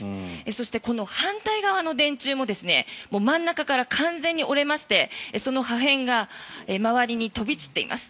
そして、この反対側の電柱も真ん中から完全に折れましてその破片が周りに飛び散っています。